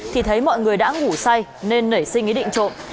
thì thấy mọi người đã ngủ say nên nảy suy nghĩ định trộm